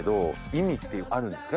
意味ってあるんですか？